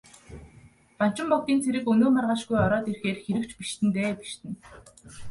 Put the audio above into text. Банчин богдын цэрэг өнөө маргаашгүй ороод ирэхээр хэрэг ч бишиднэ дээ, бишиднэ.